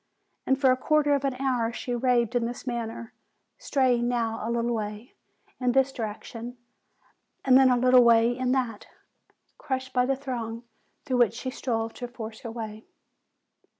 And for a quarter of an hour she raved in this manner, straying now a little .way .in this direction, and then a little way in that, crushed by the throng through which she strove to force her way.